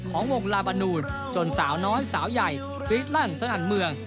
ของวงลาบานูนจนสาวน้อยสาวใหญ่กรี๊ดลั่นสนั่นเมือง